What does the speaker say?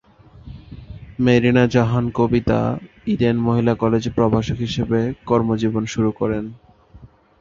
Marina Jahan Kabita Eden মহিলা কলেজে প্রভাষক হিসাবে কর্মজীবন শুরু করেন।